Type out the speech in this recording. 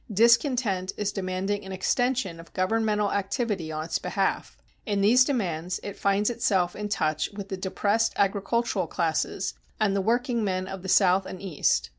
Discontent is demanding an extension of governmental activity in its behalf. In these demands, it finds itself in touch with the depressed agricultural classes and the workingmen of the South and East.